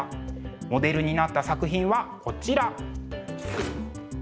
モデルになった作品はこちら。